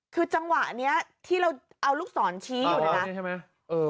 อ๋อคือจังหวะเนี่ยที่เราเอาลูกศรชี้อยู่นะคะ